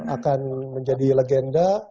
akan menjadi legenda